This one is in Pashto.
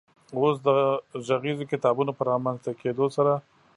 اوس د غږیزو کتابونو په رامنځ ته کېدو سره